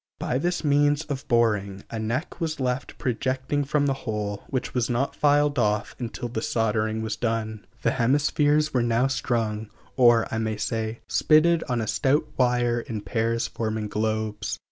By this means of boring, a neck was left projecting from the hole, which was not filed off until the soldering was done. The hemispheres were now strung or, I may say, spitted on a stout wire in pairs forming globes.